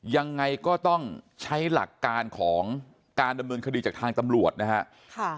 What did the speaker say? ยังไงก็ต้องใช้หลักการของการดำเนินคดีจากทางตำรวจนะฮะ